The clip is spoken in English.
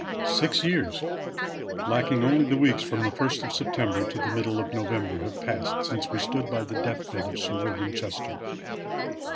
Six years, lacking only the weeks from the 1st of September to the middle of November, have passed since we stood by the death bed of Sir William Chester.